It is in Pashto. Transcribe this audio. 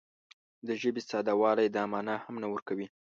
د ژبې ساده والی دا مانا هم نه ورکوي